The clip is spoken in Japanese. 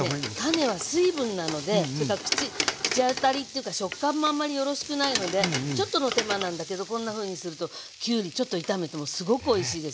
種は水分なのでというか口当たりというか食感もあんまりよろしくないのでちょっとの手間なんだけどこんなふうにするときゅうりちょっと炒めてもすごくおいしいですよ。